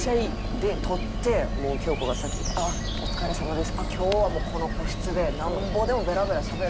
で取って京子が先いて「ああお疲れさまです」。